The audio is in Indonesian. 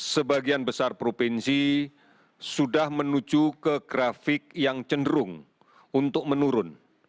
sebagian besar provinsi sudah menuju ke grafik yang cenderung untuk menurun